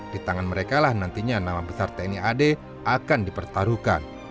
di tangan mereka lah nantinya nama besar tni ad akan dipertaruhkan